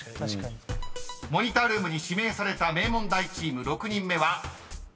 ［モニタールームに指名された名門大チーム６人目は］